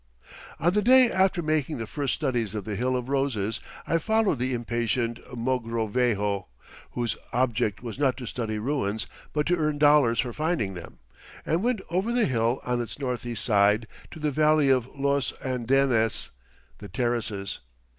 On the day after making the first studies of the "Hill of Roses," I followed the impatient Mogrovejo whose object was not to study ruins but to earn dollars for finding them and went over the hill on its northeast side to the Valley of Los Andenes ("the Terraces").